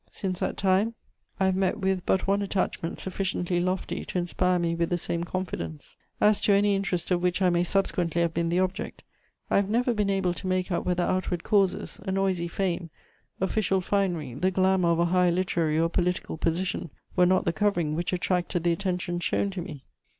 Since that time, I have met with but one attachment sufficiently lofty to inspire me with the same confidence. As to any interest of which I may subsequently have been the object, I have never been able to make out whether outward causes, a noisy fame, official finery, the glamour of a high literary or political position were not the covering which attracted the attentions shown to me.